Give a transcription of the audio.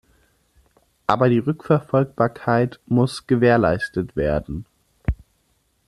Aber die Rückverfolgbarkeit muss gewährleistet werden.